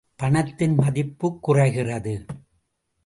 பணத்தின் மதிப்புக் குறைகிறது.